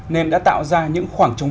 nên đã tạo ra những khoảng trống